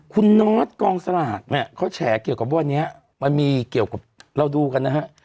คุณนอทกองสลากเนี่ยเขาแฉเกี่ยวกับวันนี้มันมีเกี่ยวกับเราดูกันนะฮะ